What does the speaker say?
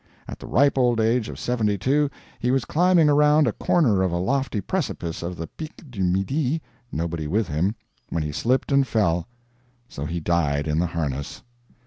At the ripe old age of seventy two he was climbing around a corner of a lofty precipice of the Pic du Midi nobody with him when he slipped and fell. So he died in the harness.